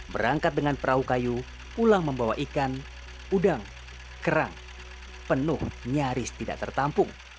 berangkat dengan perahu kayu pulang membawa ikan udang kerang penuh nyaris tidak tertampung